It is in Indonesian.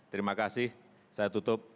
terima kasih saya tutup